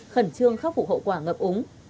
khẩn trương khắc phục hậu quả ngập úng